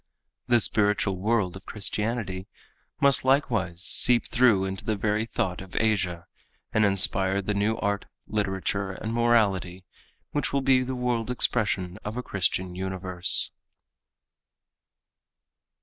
The spiritual world of Christianity must likewise seep through into the very thought of Asia and inspire the new art, literature and morality which will be the world expression of a Christian universe.